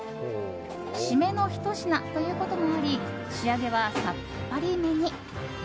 シメのひと品ということもあり仕上げはさっぱりめに。